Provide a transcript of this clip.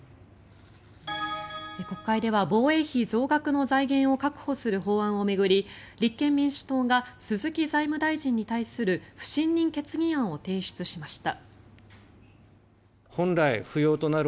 国会では防衛費増額の財源を確保する法案を巡り立憲民主党が鈴木財務大臣に対する不信任決議案を提出しました。